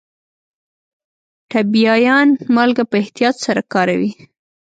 ټبیايان مالګه په احتیاط سره کاروي.